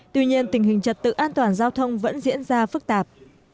tuy nhiên tình hình trật tự an toàn giao thông vẫn diễn ra phức tạp